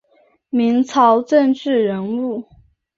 明朝政治人物。